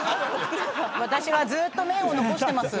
私はずっと麺を残してます。